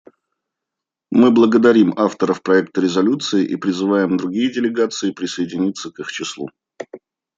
Мы благодарим авторов проекта резолюции и призываем другие делегации присоединиться к их числу.